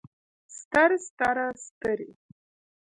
ستر ستره سترې